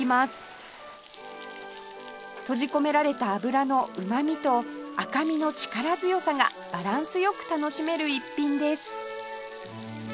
閉じ込められた脂のうまみと赤みの力強さがバランス良く楽しめる一品です